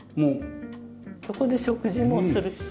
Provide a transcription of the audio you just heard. そこで食事もするし。